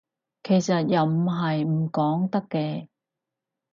其實又唔係唔講得嘅